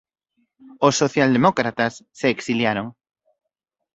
Os socialdemócratas se exiliaron.